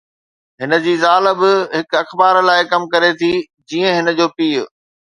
هن جي زال به هڪ اخبار لاءِ ڪم ڪري ٿي، جيئن هن جو پيءُ